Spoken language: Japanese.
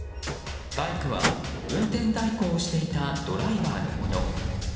バイクは運転代行をしていたドライバーのもの。